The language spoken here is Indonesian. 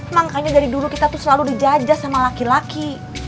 makanya dari dulu kita tuh selalu dijajah sama laki laki